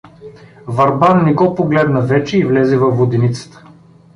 Върбан не го погледна вече и влезе във воденицата.